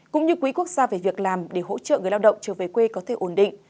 cũng như quỹ quốc gia về việc làm để hỗ trợ người lao động trở về quê có thể ổn định